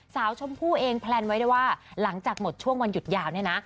ชมพู่เองแพลนไว้ได้ว่าหลังจากหมดช่วงวันหยุดยาวเนี่ยนะ